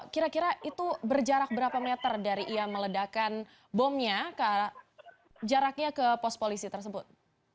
kira kira itu berjarak berapa meter dari ia meledakan bomnya jaraknya ke pos polisi tersebut